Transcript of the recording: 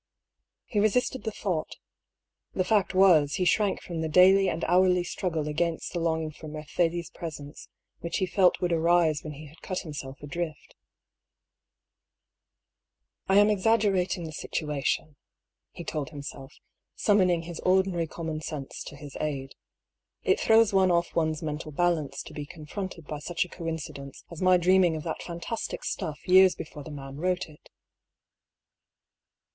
He resisted the thought. The fact was, he shrank from the daily and hourly struggle against the longing for Mercedes' presence which he felt would arise when he had cut himself adrift. ^^ I am exaggerating the situation," he told himself, summoning his ordinary common sense to his aid. '^ It throws one off one's mental balance to be confronted by Buch a coincidence as my dreaming of that fantastic stuff years before the man wrote it."